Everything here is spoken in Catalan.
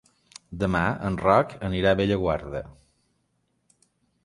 Demà en Roc anirà a Bellaguarda.